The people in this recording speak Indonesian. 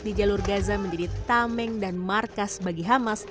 di jalur gaza menjadi tameng dan markas bagi hamas